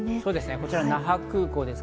こちら那覇空港です。